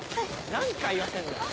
何回言わせんだよ。